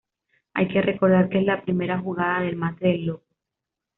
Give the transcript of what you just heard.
Hay que recordar que es la primera jugada del mate del loco.